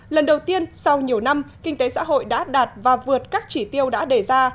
lần đầu tiên sau nhiều năm kinh tế xã hội đã đạt và vượt các chỉ tiêu đã đề ra